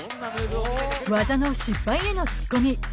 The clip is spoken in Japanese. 技の失敗へのツッコミ。